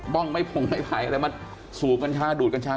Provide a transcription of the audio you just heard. ้องไม้ผงไม้ไผ่อะไรมาสูบกัญชาดูดกัญชา